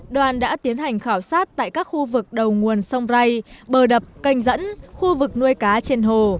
đoàn đã tiến hành khảo sát tại các khu vực đầu nguồn sông rai bờ đập canh dẫn khu vực nuôi cá trên hồ